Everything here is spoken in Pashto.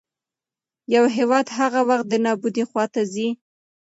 يـو هـيواد هـغه وخـت د نـابـودۍ خـواتـه ځـي